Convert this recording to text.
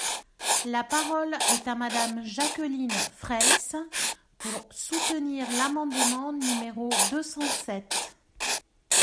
La parole est à Madame Jacqueline Fraysse, pour soutenir l’amendement numéro deux cent sept.